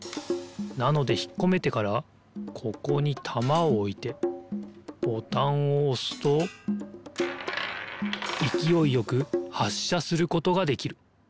なのでひっこめてからここにたまをおいてボタンをおすといきおいよくはっしゃすることができる。